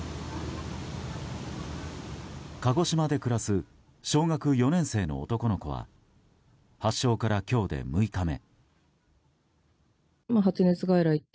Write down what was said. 鹿児島で暮らす小学４年生の男の子は発症から今日で６日目。